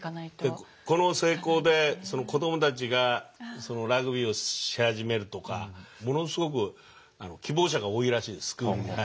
この成功で子どもたちがラグビーをし始めるとかものすごく希望者が多いらしいんですスクールに。